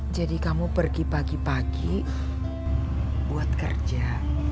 jadi kamu pergi pagi pagi buat kerja